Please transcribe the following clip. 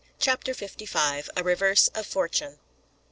CHAPTER FIFTY FIVE. A REVERSE OF FORTUNE.